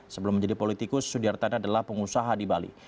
sebelum menjadi politikus sudiartana adalah pengusaha di bali